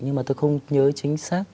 nhưng mà tôi không nhớ chính xác